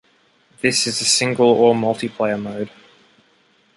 This is a Single or Multiplayer mode.